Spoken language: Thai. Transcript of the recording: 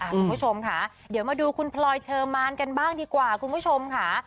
คุณผู้ชมค่ะเดี๋ยวมาดูคุณพลอยเชอร์มานกันบ้างดีกว่าคุณผู้ชมค่ะ